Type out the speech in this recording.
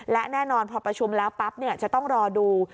และแน่นอนพอประชุมแล้วปั๊บจะต้องรอดู